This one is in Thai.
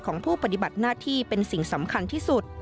ของผู้ปฏิบัติหน้าที่เป็นสิ่งสำคัญที่สุด